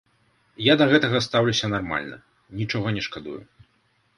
Я да гэтага стаўлюся нармальна, нічога не шкадую.